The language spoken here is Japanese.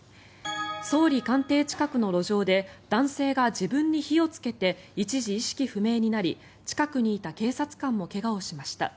総理官邸近くの路上で男性が自分に火をつけて一時、意識不明になり近くにいた警察官も怪我をしました。